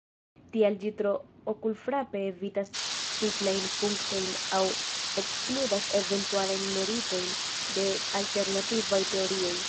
Tial ĝi tro okulfrape evitas tiklajn punktojn aŭ ekskludas eventualajn meritojn de alternativaj teorioj.